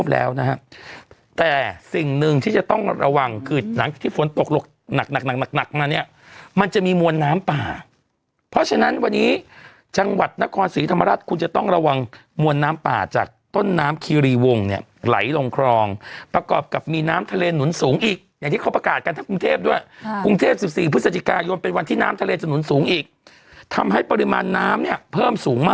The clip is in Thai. แล้วนะฮะแต่สิ่งหนึ่งที่จะต้องระวังคือหลังที่ฝนตกหลบหนักมาเนี่ยมันจะมีมวลน้ำป่าเพราะฉะนั้นวันนี้จังหวัดนครศรีธรรมรัฐคุณจะต้องระวังมวลน้ำป่าจากต้นน้ำคีรีวงเนี่ยไหลลงครองประกอบกับมีน้ำทะเลหนุนสูงอีกอย่างที่เขาประกาศกันทางกรุงเทพด้วยกรุงเทพ๑๔พฤศจิกายน